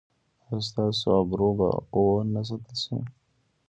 ایا ستاسو ابرو به و نه ساتل شي؟